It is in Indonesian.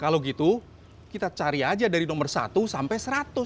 kalau gitu kita cari aja dari nomor satu sampai seratus